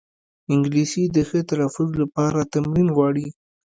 انګلیسي د ښه تلفظ لپاره تمرین غواړي